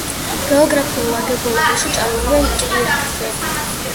გეოლოგიურ აგებულებაში ჭარბობენ კირქვები.